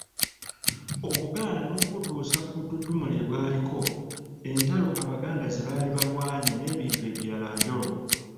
Obuganda n’okubutuusa ku ttutumu lye Bwaliko, entalo Abaganda ze baali balwanye n’ebintu ebirala njolo.